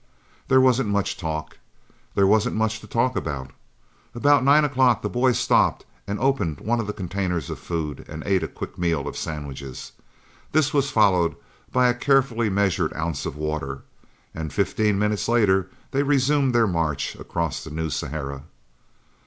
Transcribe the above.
There wasn't much talk. There wasn't much to talk about. About nine o'clock the boys stopped and opened one of the containers of food and ate a quick meal of sandwiches. This was followed by a carefully measured ounce of water, and fifteen minutes later they resumed their march across the New Sahara.